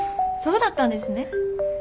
そうだったんですね。